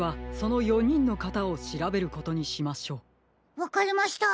わかりました。